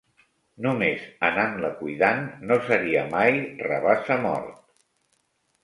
No més anant-la cuidant, no seria mai rabassa mort